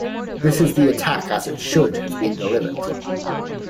This is the attack as it should have been delivered.